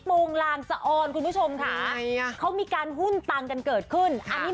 มาคุณจะได้เป็นพยานให้เขาด้วย